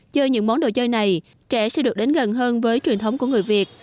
chơi những món đồ chơi này trẻ sẽ được đến gần hơn với truyền thống của người việt